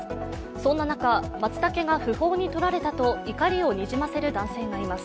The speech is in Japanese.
そんな中、まつたけが不法に採られたと怒りをにじませる男性がいます。